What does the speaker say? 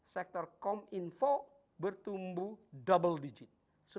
sektor kominfo bertumbuh double digit